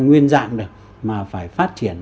nguyên dạng được mà phải phát triển